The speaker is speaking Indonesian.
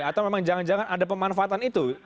atau memang jangan jangan ada pemanfaatan itu